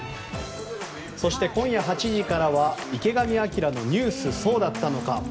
そして今夜８時からは「池上彰のニュースそうだったのか！！」。